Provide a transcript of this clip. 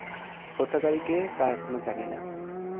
হত্যাকারী কে, তা এখনো জানি না।